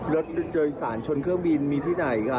รถโดยสารชนเครื่องบินมีที่ไหนคะ